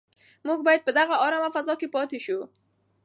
موږ باید په دغه ارامه فضا کې پاتې شو.